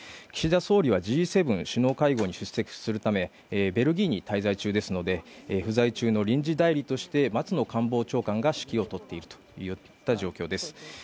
岸田総理はＧ７首脳会合に出席するためベルギーに滞在中ですので不在中の臨時代理として松野官房長官が指揮を執っている状況です。